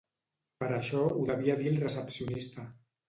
Per això ho devia dir el recepcionista.